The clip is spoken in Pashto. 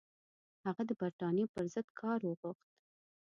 هغه د برټانیې پر ضد کار وغوښت.